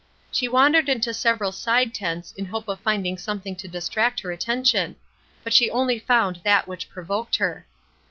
She wandered into several side tents in hope of finding something to distract her attention; but she only found that which provoked her.